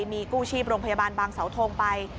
มีกู้ชีพโรงพยาบาลบางเสาทงไป